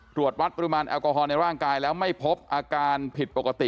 ตรวจวัดปริมาณแอลกอฮอลในร่างกายแล้วไม่พบอาการผิดปกติ